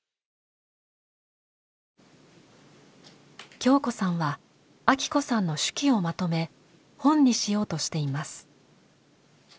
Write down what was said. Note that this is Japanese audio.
京子さんはアキ子さんの手記をまとめ本にしようとしています。